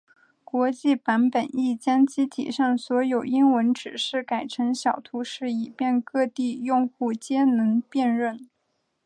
国际版本亦将机体上所有英文指示改成小图示以便各地用户皆能辨认。